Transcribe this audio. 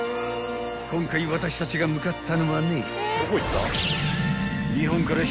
［今回私たちが向かったのはね］